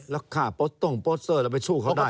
แล้วค่าโปสต้งโปสเตอร์เราไปสู้เขาได้